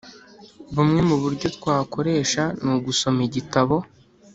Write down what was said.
Bumwe mu buryo twakoresha ni ugusoma Igitabo